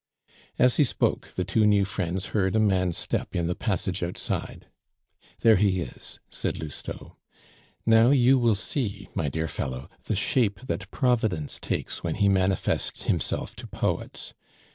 As he spoke, the two new friends heard a man's step in the passage outside. "There he is," said Lousteau. "Now you will see, my dear fellow, the shape that Providence takes when he manifests himself to poets.